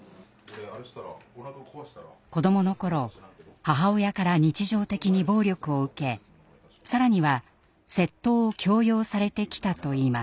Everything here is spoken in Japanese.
子どもの頃母親から日常的に暴力を受け更には窃盗を強要されてきたといいます。